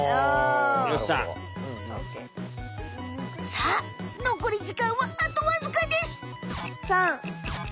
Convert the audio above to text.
さあのこり時間はあとわずかです！